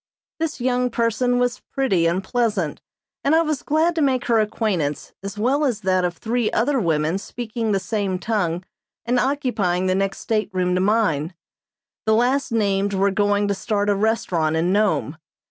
This young person was pretty and pleasant, and I was glad to make her acquaintance as well as that of three other women speaking the same tongue and occupying the next stateroom to mine. The last named were going to start a restaurant in Nome.